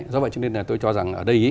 do vậy cho nên tôi cho rằng ở đây